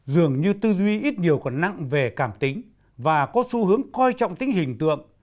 dường như tư duy ít nhiều còn nặng về cảm tính và có xu hướng coi trọng tính hình tượng